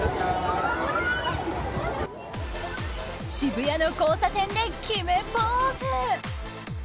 渋谷の交差点で決めポーズ！